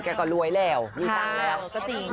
แกก็รวยแล้วมีตังค์แล้ว